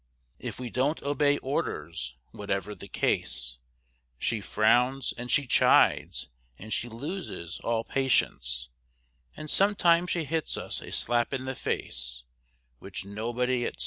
If we don't obey orders, whatever the case, She frowns, and she chides, and she loses all pati Ence, and sometimes she hits us a slap in the face; Which nobody, etc.